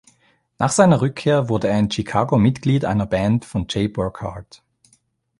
Nach seiner Rückkehr wurde er in Chicago Mitglied einer Band von Jay Burkhart.